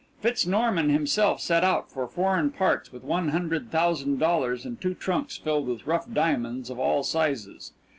Fitz Norman himself set out for foreign parts with one hundred thousand dollars and two trunks filled with rough diamonds of all sizes.